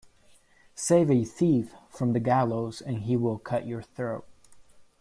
Save a thief from the gallows and he will cut your throat.